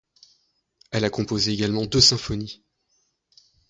Elle a composé également deux symphonies.